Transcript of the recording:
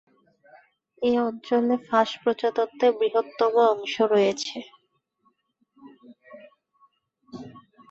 এ অঞ্চলে ফাঁস প্রজাতন্ত্রের বৃহত্তম অংশ রয়েছে।